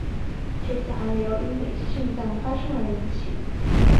这次寒流因北极震荡发生而引起。